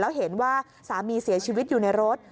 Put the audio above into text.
แล้วเห็นว่าสามีเสียชีวิตอยู่ในรถ